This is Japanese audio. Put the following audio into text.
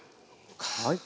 はい。